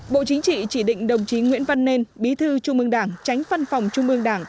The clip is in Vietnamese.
bộ chính trị chỉ định đồng chí nguyễn văn nên bí thư trung mương đảng tránh phân phòng trung mương đảng